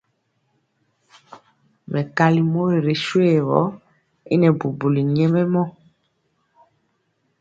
Mɛkali mori ri shuegɔ y nɛɛbubuli nyɛmemɔ.